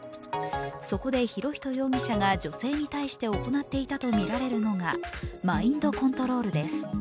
そこで博仁容疑者が女性に対して行っていたとみられるのがマインドコントロールです。